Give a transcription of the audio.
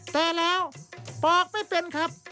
แต่แล้วปอกไม่เป็นครับ